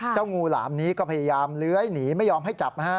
งูหลามนี้ก็พยายามเลื้อยหนีไม่ยอมให้จับนะฮะ